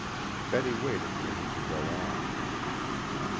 Betty waited for him to go on.